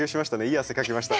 いい汗かきました。